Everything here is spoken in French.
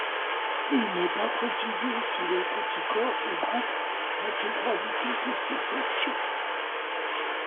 Il n'est pas précisé si les petits corps regroupent l'intégralité de ces objets.